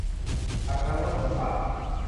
ตักน้ำรดหัวสาก